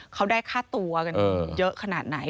เขาได้ค่าตัวกันเยอะขนาดไหน